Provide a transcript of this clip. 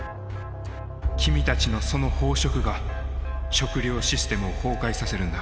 君たちのその飽食が食料システムを崩壊させるんだ。